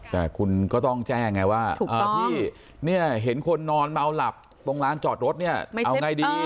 แต่คุณก็ต้องแจ้งไงว่าที่เนี่ยเห็นคนนอนเมาหลับตรงร้านจอดรถเนี่ยเอาไงดี